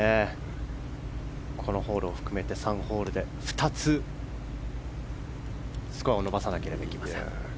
このホールを含めて３ホールで２つスコアを伸ばさなければいけません。